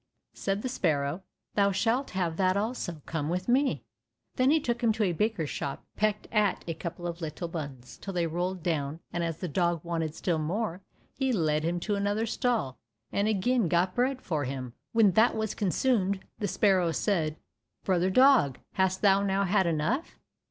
Said the sparrow, "Thou shalt have that also, come with me." Then he took him to a baker's shop, and pecked at a couple of little buns till they rolled down, and as the dog wanted still more, he led him to another stall, and again got bread for him. When that was consumed, the sparrow said, "Brother dog, hast thou now had enough?"